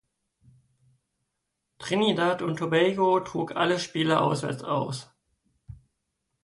Trinidad und Tobago trug alle Spiele auswärts aus.